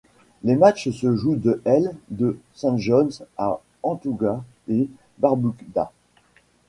Les matchs se jouent à l' de Saint John's à Antigua-et-Barbuda.